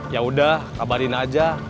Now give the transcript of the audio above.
ya udah kabarin aja